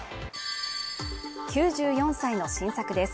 ９４歳の新作です。